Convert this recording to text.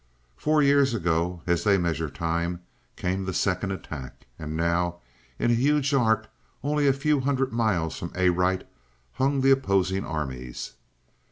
"Four years ago, as they measure time, came the second attack, and now, in a huge arc, only a few hundred miles from Arite, hung the opposing armies."